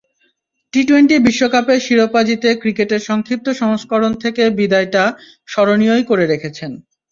T twenty বিশ্বকাপের শিরোপা জিতে ক্রিকেটের সংক্ষিপ্ত সংস্করণ থেকে বিদায়টা স্মরণীয়ই করে রেখেছেন।